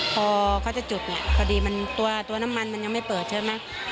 พอเขาจะจุดเนี่ยพอดีมันตัวน้ำมันมันยังไม่เปิดใช่ไหม